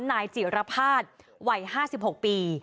นายจิรพาทวัย๕๖ปี